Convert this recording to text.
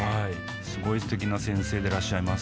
すごいすてきな先生でいらっしゃいます